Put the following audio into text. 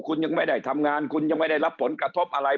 คุณยังไม่ได้ทำงานคุณยังไม่ได้รับผลกระทบอะไร